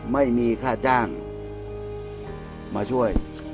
ไม่มีค่าจ้างมาช่วย